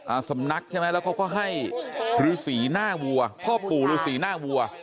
อ่าสำนักใช่ไหมแล้วก็ก็ให้หรือสีหน้าวัวพ่อปู่หรือสีหน้าวัว